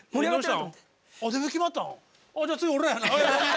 あじゃあ次は俺らやな。